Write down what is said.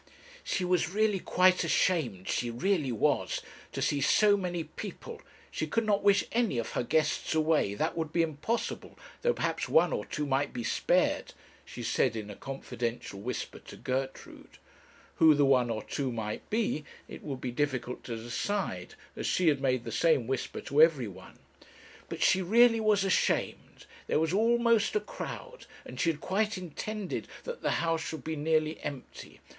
'She was really quite ashamed she really was to see so many people; she could not wish any of her guests away, that would be impossible though perhaps one or two might be spared,' she said in a confidential whisper to Gertrude. Who the one or two might be it would be difficult to decide, as she had made the same whisper to every one; 'but she really was ashamed; there was almost a crowd, and she had quite intended that the house should be nearly empty.